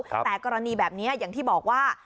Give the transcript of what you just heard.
แต่กรณีแบบนี้อย่างที่บอกว่า